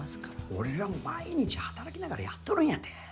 俺らも毎日働きながらやっとるんやて。